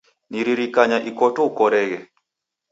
Naririkanya ikoto ukoreghe